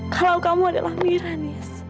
kalau kamu adalah miran